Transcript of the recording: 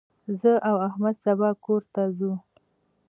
زه او احمد سبا کور ته ځو.